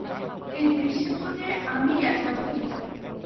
এই দৃশ্যপটের আমিই একমাত্র হিরো।